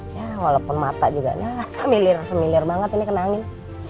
ya walaupun mata juga nah familir familiar banget ini kena angin